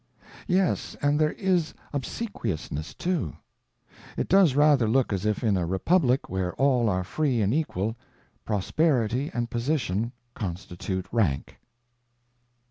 Yes, and there is obsequiousness, too. It does rather look as if in a republic where all are free and equal, prosperity and position constitute rank.